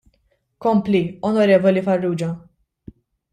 Kompli, Onorevoli Farrugia.